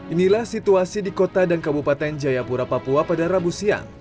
inilah situasi di kota dan kabupaten jayapura papua pada rabu siang